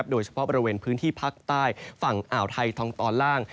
โดยเฉพาะบริเวณพื้นที่ภาคใต้ฝั่งอ่าวไทยทางตอนล่าง